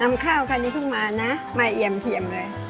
ข้าวคันนี้เพิ่งมานะมาเอี่ยมเทียมเลย